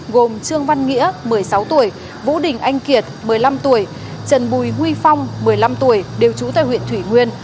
gồm trương văn nghĩa một mươi sáu tuổi vũ đình anh kiệt một mươi năm tuổi trần bùi huy phong một mươi năm tuổi đều trú tại huyện thủy nguyên